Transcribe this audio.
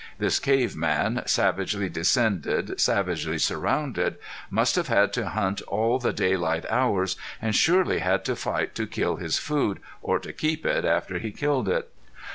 This cave man, savagely descended, savagely surrounded, must have had to hunt all the daylight hours and surely had to fight to kill his food, or to keep it after he killed it.